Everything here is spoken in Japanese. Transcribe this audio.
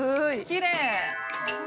きれい！